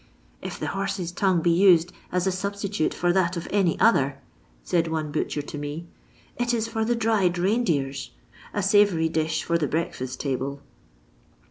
" If the horse's tongue be used as a substitute for that of any other," said one butcher to roe, "it is for the dried reindeer's— a savoury dish for the breakfiut table